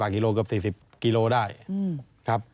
๓๐กิโลกรัมเกือบ๔๐กิโลกรัมได้